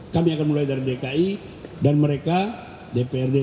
kami akan mulai dari dki dan mereka dprd